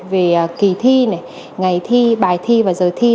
về kỳ thi này ngày thi bài thi và giờ thi